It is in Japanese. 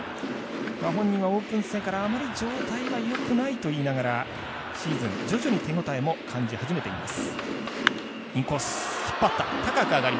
本人はオープン戦からあまり状態はよくないと言いながらシーズン徐々に手応えも感じ始めています。